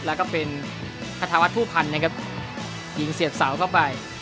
แล้วก็เป็นคาธาวัฒนผู้พันธ์นะครับยิงเสียบเสาเข้าไป